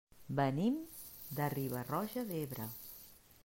Venim de Riba-roja d'Ebre.